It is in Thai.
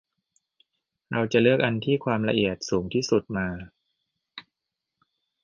เราจะเลือกอันที่ความละเอียดสูงที่สุดมา